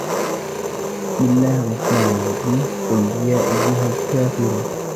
بسم الله الرحمن الرحيم قل يا أيها الكافرون